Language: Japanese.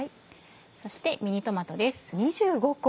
そしてミニトマトです。